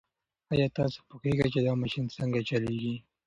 ایا تاسو پوهېږئ چې دا ماشین څنګه چلیږي؟